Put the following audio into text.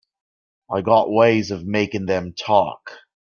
I got ways of making them talk.